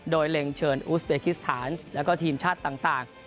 โดยเล็งเชิญอูสเบคิสถานแล้วก็ทีมชาติต่าง